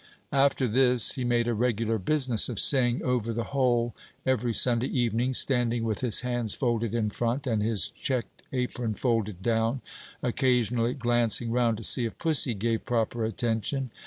After this, he made a regular business of saying over the whole every Sunday evening, standing with his hands folded in front and his checked apron folded down, occasionally glancing round to see if pussy gave proper attention.